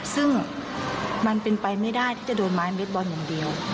ซึ่งมันเป็นไปไม่ได้ที่จะโดนไม้เม็ดบอลอย่างเดียว